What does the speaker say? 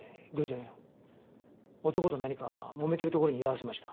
男と何かもめてるところに居合わせました。